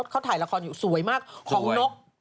เขาถ่ายละครอยู่สวยมากของนก